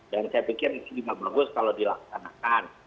dan saya pikir itu juga bagus kalau dilaksanakan